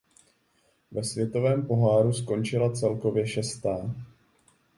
Ve světovém poháru skončila celkově šestá.